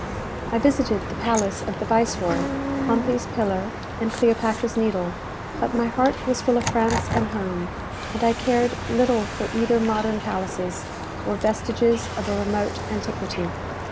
I visited the palace of the viceroy, Pompey's Pillar, and Cleopatra's Needle; but my heart was full of France and home, and I cared little for either modern palaces, or vestiges of a remote antiquity.